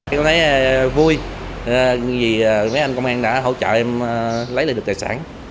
em thấy vui vì mấy anh công an đã hỗ trợ em lấy lại được tài sản